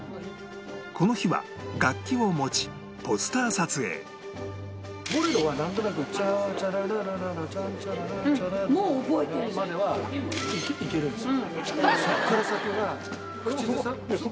この日は楽器を持ちポスター撮影まではいけるんですよ。